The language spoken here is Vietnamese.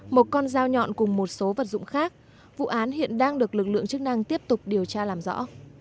một con dao nhọn cùng một số vật dụng khác vụ án hiện đang được lực lượng chức năng tiếp tục điều tra làm rõ